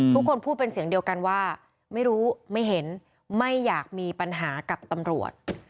ทุกคนพูดเป็นเสียงเดียวกันว่าไม่รู้ไม่เห็นไม่อยากมีปัญหากับตำรวจ